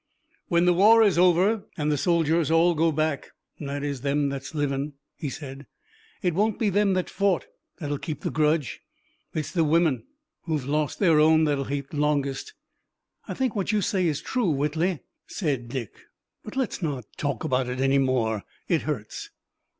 "When the war is over and the soldiers all go back, that is them that's livin'," he said, "it won't be them that fought that'll keep the grudge. It's the women who've lost their own that'll hate longest." "I think what you say is true, Whitley," said Dick, "but let's not talk about it any more. It hurts."